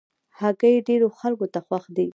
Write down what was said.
هګۍ ډېرو خلکو ته خوښ دي.